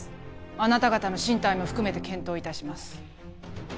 あなた方の進退も含めて検討いたします